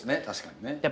確かにね。